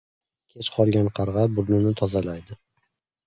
• Kech qolgan qarg‘a burnini tozalaydi.